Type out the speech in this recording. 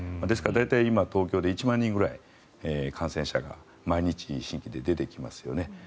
ですから大体今、東京で１万人くらい感染者が毎日新規で出てきますよね。